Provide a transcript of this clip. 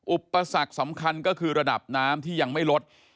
อุปสรรคสำคัญก็คือระดับน้ำที่ยังไม่ลด